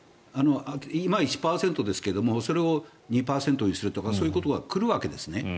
今、１％ですけどもそれを２％にするとかそういうことが来るわけですね。